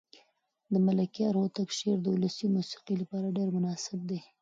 د ملکیار هوتک شعر د ولسي موسیقۍ لپاره ډېر مناسب دی.